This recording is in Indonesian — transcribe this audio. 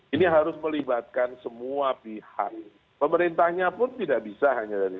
ini harus melibatkan semua pihak pemerintahnya pun tidak bisa hanya dari